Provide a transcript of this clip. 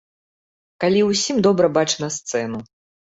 Калі ўсім добра бачна сцэну.